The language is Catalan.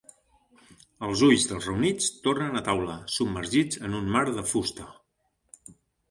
Els ulls dels reunits tornen a taula, submergits en un mar de fusta.